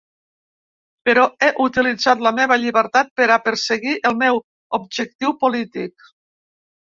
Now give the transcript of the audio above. Però he utilitzat la meva llibertat per a perseguir el meu objectiu polític.